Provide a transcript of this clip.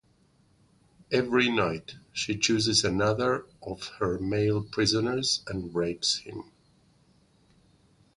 Every night, she chooses another of her male prisoners and rapes him.